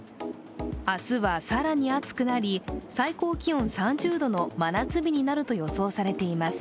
明日は、更に暑くなり最高気温３０度の真夏日になると予想されています。